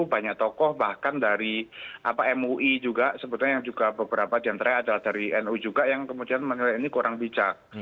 banyak tokoh bahkan dari mui juga sebetulnya yang juga beberapa diantaranya adalah dari nu juga yang kemudian menilai ini kurang bijak